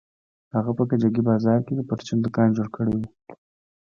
هغه په کجکي بازار کښې د پرچون دوکان جوړ کړى و.